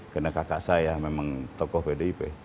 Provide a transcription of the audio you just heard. karena kakak saya memang tokoh pdip